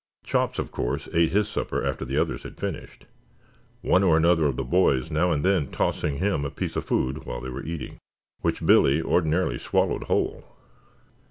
Chops, of course, ate his supper after the others had finished, one or another of the boys now and then tossing him a piece of food while they were eating, which Billy ordinarily swallowed whole.